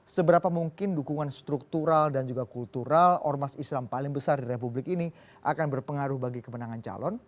seberapa mungkin dukungan struktural dan juga kultural ormas islam paling besar di republik ini akan berpengaruh bagi kemenangan calon